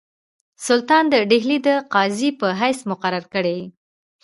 سلطان د ډهلي د قاضي په حیث مقرر کړی یې.